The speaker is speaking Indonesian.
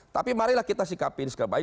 tapi marilah kita sikapi ini sekali